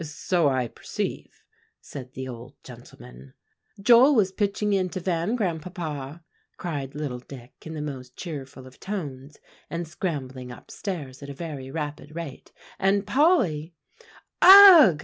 "So I perceive," said the old gentleman. "Joel was pitching into Van, Grandpapa," cried little Dick in the most cheerful of tones, and scrambling up stairs at a very rapid rate, "and Polly" "Ugh!"